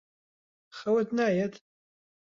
خەوت نایەت؟